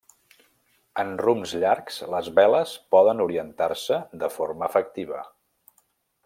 En rumbs llargs les veles poden orientar-se de forma efectiva.